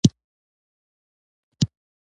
په ټاکنو کې درغلي یو ستر کړکېچ رامنځته کولای شي